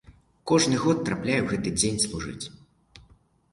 Кожны год трапляе ў гэты дзень служыць.